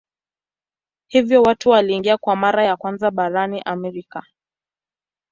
Hivyo watu waliingia kwa mara ya kwanza barani Amerika.